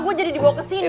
gue jadi dibawa kesini